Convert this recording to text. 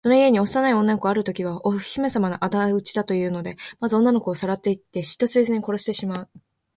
その家に幼い女の子があるときは、お姫さまのあだ討ちだというので、まず女の子をさらっていって、人知れず殺してしまう。